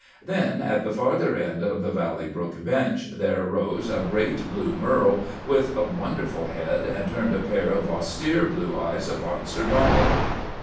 Then, at the farther end of the Valley Brook bench, there rose a great blue merle, with a wonderful head, and turned a pair of austere blue eyes upon Sir Donald.